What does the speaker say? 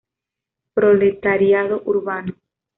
Proletariado urbano.